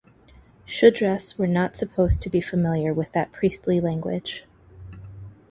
Shudras were not supposed to be familiar with that priestly language.